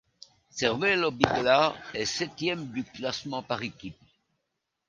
Cervélo-Bigla est septième du classement par équipes.